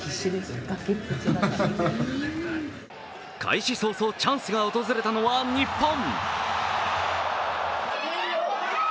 開始早々、チャンスが訪れたのは日本。